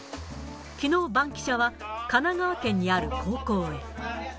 きのうバンキシャは、神奈川県にある高校へ。